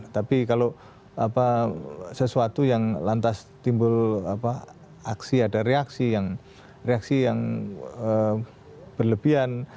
tapi kalau sesuatu yang lantas timbul aksi ada reaksi yang berlebihan